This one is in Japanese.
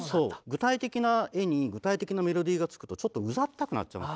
具体的な絵に具体的なメロディーがつくとちょっとうざったくなっちゃう。